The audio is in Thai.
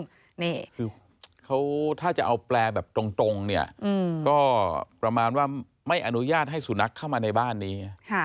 นี่คือเขาถ้าจะเอาแปลแบบตรงเนี่ยก็ประมาณว่าไม่อนุญาตให้สุนัขเข้ามาในบ้านนี้